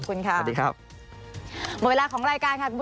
ขอบคุณครับ